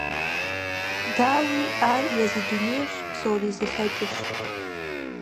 Дауи, ар езы дунейрщ, псори зылъэкӀырщ.